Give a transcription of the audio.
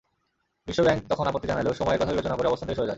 বিশ্বব্যাংক তখন আপত্তি জানালেও সময়ের কথা বিবেচনা করে অবস্থান থেকে সরে যায়।